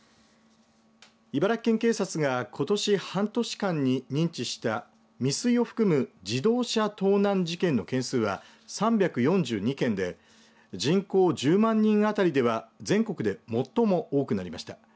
茨城県警察がことし半年間に認知した未遂を含む自動車盗難事件の件数は３４２件で人口１０万人当たりでは全国で最も多くなりました。